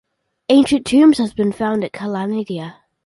Ancient tombs have been found at Kalandia.